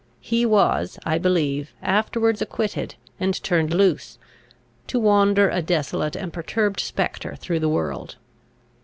He was, I believe, afterwards acquitted, and turned loose, to wander a desolate and perturbed spectre through the world.